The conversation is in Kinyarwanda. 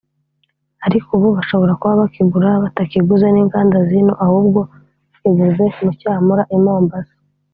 ariko ubu bashobora kuba bakigura batakiguze n’inganda z’ino ahubwo bakiguze mu cyamura i Mombasa